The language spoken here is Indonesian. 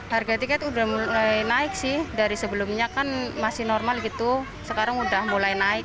harga tiket udah mulai naik sih dari sebelumnya kan masih normal gitu sekarang udah mulai naik